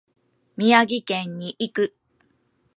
宮城県に行く。